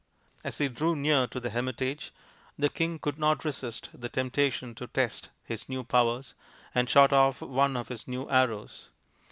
As he drew near to the hermitage, the king could not resist the temptation to test his new powers, and shot off one of his new arrows.